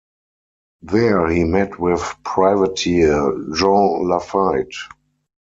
There he met with privateer Jean Laffite.